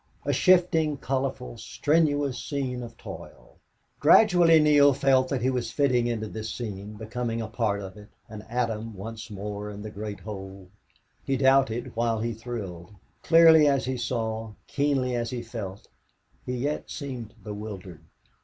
A shifting, colorful, strenuous scene of toil! Gradually Neale felt that he was fitting into this scene, becoming a part of it, an atom once more in the great whole. He doubted while he thrilled. Clearly as he saw, keenly as he felt, he yet seemed bewildered.